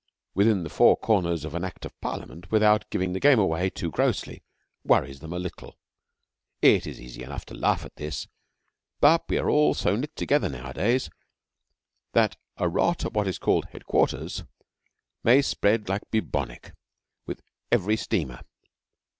within the four corners of an Act of Parliament without giving the game away too grossly, worries them a little. It is easy enough to laugh at this, but we are all so knit together nowadays that a rot at what is called 'headquarters' may spread like bubonic, with every steamer.